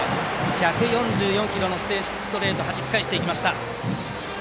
１４４キロのストレートをはじき返してきました。